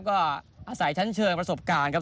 ก็อาศัยชั้นเชิงประสบการณ์ครับ